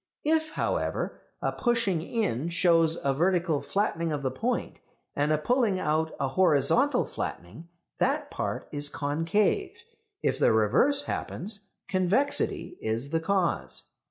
If, however, a pushing in shows a vertical flattening of the point, and a pulling out a horizontal flattening, that part is concave; if the reverse happens, convexity is the cause.